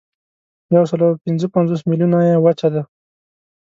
یوسلاوپینځهپنځوس میلیونه یې وچه ده.